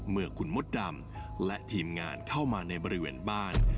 เมื่อคุณมดดำและทีมงานเข้ามาในบริเวณบ้าน